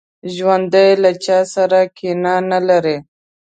ژوندي له چا سره کینه نه لري